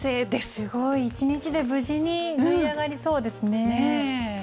すごい１日で無事に縫い上がりそうですね。